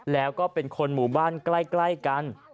แล้วก็เป็นคนหมู่บ้านใกล้กัน